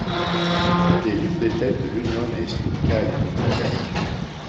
Il est l'une des têtes de l'Unione Sindacale Italiana.